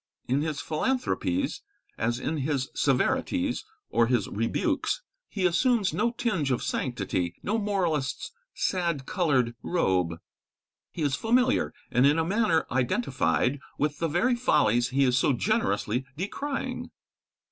In his philanthropies, as in his severities or his rebukes, he assumes no tinge of sanctity, no moralist's sad coloured robe. He is familiar, and in a manner identified, with the very follies he is so generously decrying.